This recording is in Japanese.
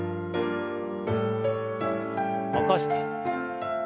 起こして。